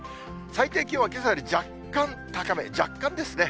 最低気温はけさより若干高め、若干ですね。